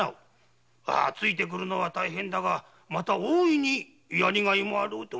ついてくるのは大変だがまた大いにやりがいもある。